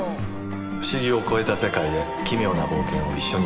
「不思議」を超えた世界へ「奇妙」な冒険を一緒にしましょう。